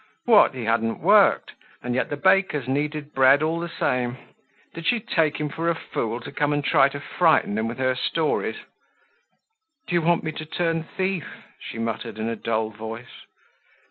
What, he hadn't worked, and yet the bakers kneaded bread all the same. Did she take him for a fool, to come and try to frighten him with her stories? "Do you want me to turn thief?" she muttered, in a dull voice.